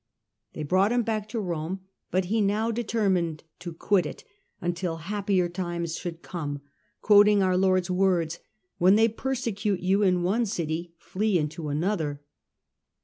They brought him back to Rome, but he now determined to quit it, until happier times should come, quoting our Lord's words, ' When they persecute you in one city, flee unto another.'